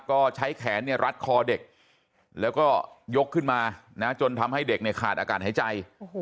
ก็ใช้แขนรัดคอเด็กแล้วก็ยกขึ้นมาจนทำให้เด็กขาดอากาศหายใจ